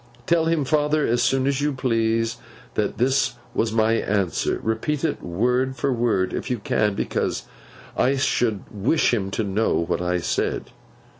Tell him, father, as soon as you please, that this was my answer. Repeat it, word for word, if you can, because I should wish him to know what I said.